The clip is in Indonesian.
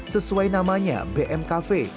sesuai namanya bm cafe